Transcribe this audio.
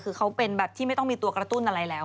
คือเขาเป็นแบบที่ไม่ต้องมีตัวกระตุ้นอะไรแล้ว